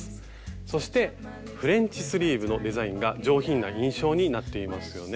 そしてフレンチスリーブのデザインが上品な印象になっていますよね。